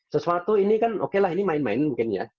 sesuatu ini kan oke lah ini main main mungkin ya